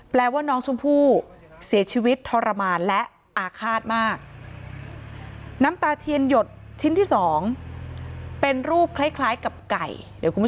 แปลว่าน้องชมพู่เสียชีวิตทรมานและอาฆาตมากน้ำตาเทียนหยดชิ้นที่สอง